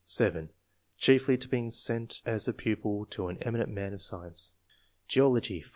^.^^{7) Chiefly to being sent as a pupil to an eminent man of science. . Geology.